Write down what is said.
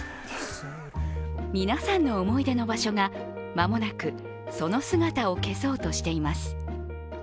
皆さんの思い出の場所が間もなく、その姿を消そうとしています。